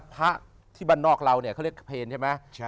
พระที่บรรนอกเราเขาเรียกเพลชใช่ไหม